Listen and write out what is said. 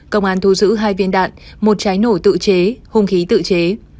công an thu giữ hai viên đạn một trái nổ tự chế hung khí tự chế